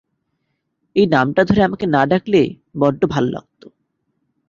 এই নামটা ধরে আমাকে না ডাকলে বড্ড ভাল লাগত!